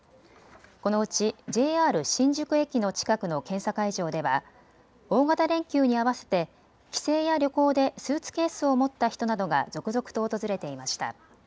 このうちＪＲ新宿駅の近くの検査会場では大型連休に合わせて帰省や旅行でスーツケースを持った人などが続々と訪れていました。